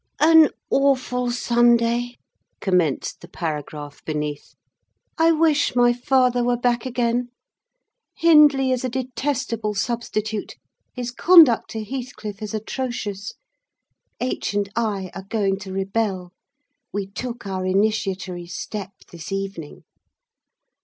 "An awful Sunday," commenced the paragraph beneath. "I wish my father were back again. Hindley is a detestable substitute—his conduct to Heathcliff is atrocious—H. and I are going to rebel—we took our initiatory step this evening.